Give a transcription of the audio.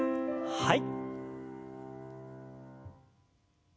はい。